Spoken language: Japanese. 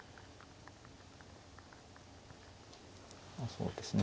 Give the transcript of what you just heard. そうですね